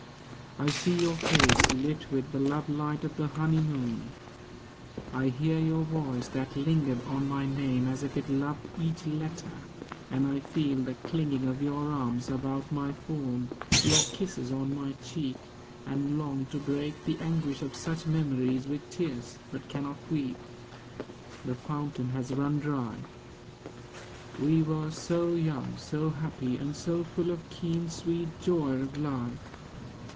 I see your face Lit with the lovelight of the honeymoon; I hear your voice, that lingered on my name As if it loved each letter; and I feel The clinging of your arms about my form, Your kisses on my cheek—and long to break The anguish of such memories with tears, But cannot weep; the fountain has run dry. We were so young, so happy, and so full Of keen sweet joy of life.